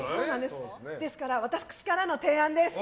ですから私からの提案です。